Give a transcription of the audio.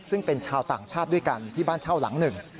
ซึ่งเป็นชาวต่างชาติด้วยกันที่บ้านเช่าหลังหนึ่ง